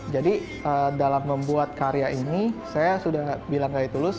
jadi dalam membuat karya ini saya sudah bilang ke tulus